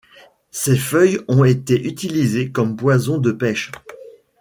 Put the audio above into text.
Ses feuilles ont été utilisées comme poison de pêche.